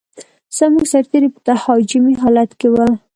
زموږ سرتېري په تهاجمي حالت کې و.